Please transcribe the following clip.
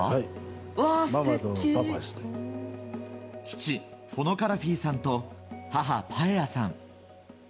父フォノカラフィさんと母パエアさん。